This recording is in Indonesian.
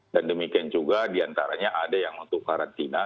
dan demikian juga diantaranya ada yang untuk karantina